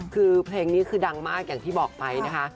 คือเพลงนี้คือดังมากอย่างที่บอกไปนะคะ